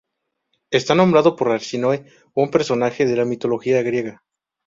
Está nombrado por Arsínoe, un personaje de la mitología griega.